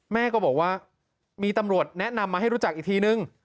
แม่ก็บอกว่ามีตำรวจแนะนำมาให้รู้จักอีกทีนึง